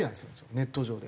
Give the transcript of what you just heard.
ネット上で。